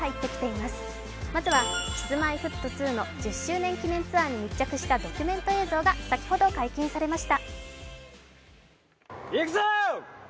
まずはＫｉｓ−Ｍｙ−Ｆｔ２の１０周年記念ツアーに密着したドキュメント映像が先ほど解禁されました。